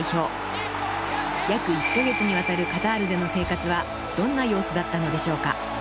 ［約１カ月にわたるカタールでの生活はどんな様子だったのでしょうか］